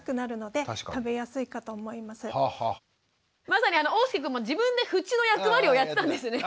まさにおうすけくんも自分でふちの役割をやってたんですね。